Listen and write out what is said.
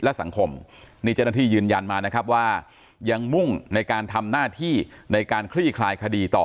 และสังคมนี่เจ้าหน้าที่ยืนยันมานะครับว่ายังมุ่งในการทำหน้าที่ในการคลี่คลายคดีต่อ